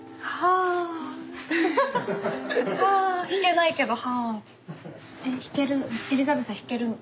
弾けないけど「はあ」って。